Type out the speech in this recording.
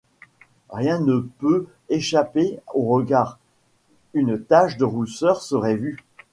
Rien ne peut échapper aux regards, une tache de rousseur serait vue.